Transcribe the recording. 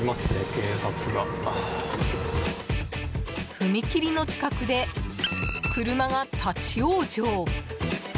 踏切の近くで車が立ち往生。